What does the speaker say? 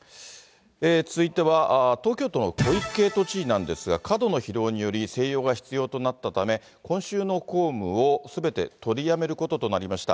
続いては東京都の小池都知事なんですが、過度の疲労により、静養が必要となったため、今週の公務をすべて取りやめることとなりました。